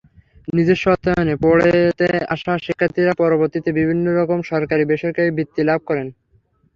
নিজস্ব অর্থায়নে পড়তে আসা শিক্ষার্থীরা পরবর্তীতে বিভিন্নরকম সরকারি-বেসরকারি বৃত্তি লাভ করেন।